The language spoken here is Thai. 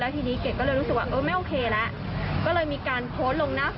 แล้วทีนี้เกดก็เลยรู้สึกว่าไม่โอเคแล้วก็เลยมีการโพสต์ลงหน้าเฟซ